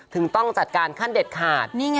ถึงต้องจัดการขั้นเด็ดขาด